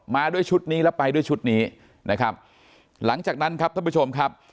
มาด้วยชุดนี้แล้วไปด้วยชุดนี้นะครับหลังจากนั้นครับท่านผู้ชมครับ